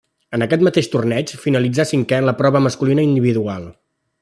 En aquest mateix torneig finalitzà cinquè en la prova masculina individual.